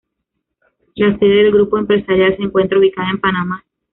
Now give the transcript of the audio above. La sede del grupo empresarial se encuentra ubicada en Panamá.